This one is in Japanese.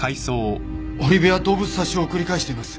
堀部は動物殺傷を繰り返しています